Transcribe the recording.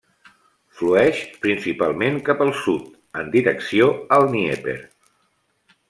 Flueix principalment cap al sud, en direcció al Dnièper.